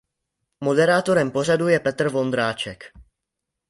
Moderátorem pořadu je Petr Vondráček.